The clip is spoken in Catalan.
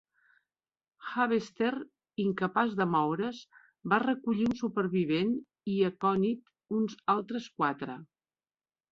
"Harvester", incapaç de moure's, va recollir un supervivent i "Aconit" uns altres quatre.